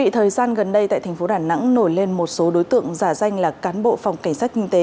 thời gian gần đây tại thành phố đà nẵng nổi lên một số đối tượng giả danh là cán bộ phòng cảnh sát kinh tế